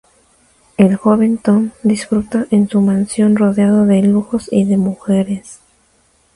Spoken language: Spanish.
El joven Tom disfruta en su mansión rodeado de lujos y de mujeres.